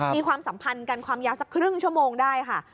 ความสัมพันธ์กันความยาวสักครึ่งชั่วโมงได้ค่ะ